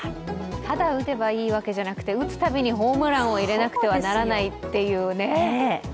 ただ打てばいいわけじゃなくて、ホームランを入れなくてはならないっていうね。